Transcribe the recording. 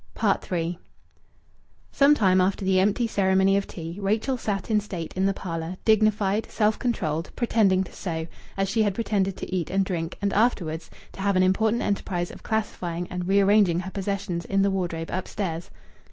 III Some time after the empty ceremony of tea, Rachel sat in state in the parlour, dignified, self controlled, pretending to sew, as she had pretended to eat and drink and, afterwards, to have an important enterprise of classifying and rearranging her possessions in the wardrobe upstairs.